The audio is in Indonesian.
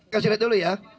kasih lihat dulu ya